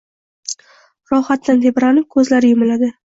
Rohatdan tebranib, ko‘zlari yumiladi